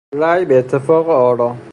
رای به اتفاق آرا